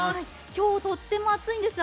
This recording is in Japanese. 今日、とっても暑いんです。